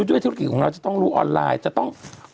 ด้วยธุรกิจของเราจะต้องรู้ออนไลน์